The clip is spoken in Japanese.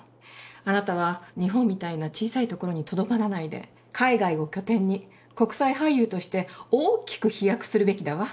あなたは日本みたいな小さいところにとどまらないで海外を拠点に国際俳優として大きく飛躍するべきだわ！